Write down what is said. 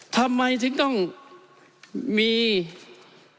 ทำไมถึงต้องมีการนำล่องของประสอดดีเอสไอ